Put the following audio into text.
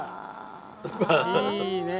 いいね！